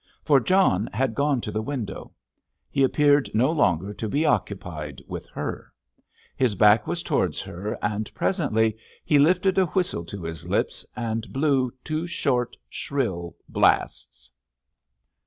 For John had gone to the window. He appeared no longer to be occupied with her. His back was towards her, and presently he lifted a whistle to his lips and blew two short, shrill blasts.